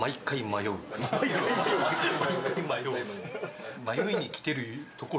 毎回迷うの。